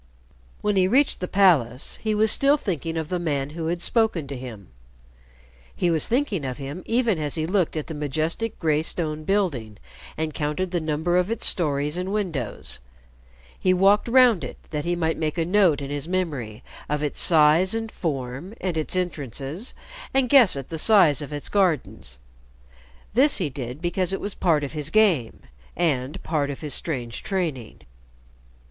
When he reached the palace, he was still thinking of the man who had spoken to him. He was thinking of him even as he looked at the majestic gray stone building and counted the number of its stories and windows. He walked round it that he might make a note in his memory of its size and form and its entrances, and guess at the size of its gardens. This he did because it was part of his game, and part of his strange training.